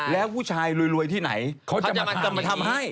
แล้วผู้ชายรวยที่ไหนเขาจะมาทำให้